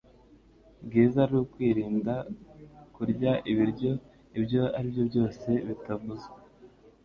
bwiza ari ukwirinda kurya ibiryo ibyo aribyo byose bitavuzwe